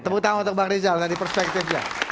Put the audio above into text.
tepuk tangan untuk bang rizal tadi perspektifnya